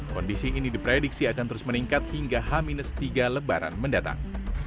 kondisi ini diprediksi akan terus meningkat hingga h tiga lebaran mendatang